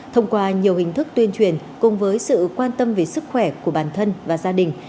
thông qua nhiều hình thức tuyên truyền cùng với sự quan tâm về sức khỏe của bản thân và gia đình